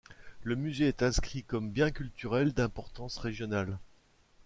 Le musée est inscrit comme bien culturel d'importance régionale.